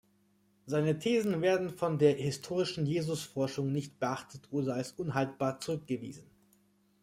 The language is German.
Seine Thesen werden von der historischen Jesusforschung nicht beachtet oder als unhaltbar zurückgewiesen.